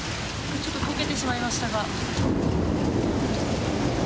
ちょっととけてしまいましたが。